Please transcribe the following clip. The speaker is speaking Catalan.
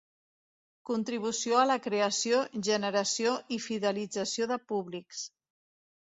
Contribució a la creació, generació i fidelització de públics.